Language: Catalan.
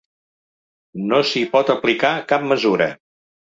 No s’hi pot aplicar cap mesura.